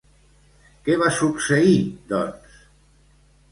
Què va succeir, doncs?